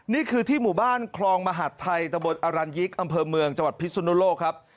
นี่คือที่หมู่บ้านคลองมหัฐไทยตะบนอรัญยิกอำเภอเมืองจังหวัดพิสุนุโลกครับ